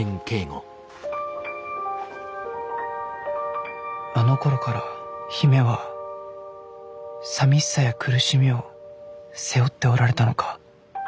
心の声あのころから姫は寂しさや苦しみを背負っておられたのか。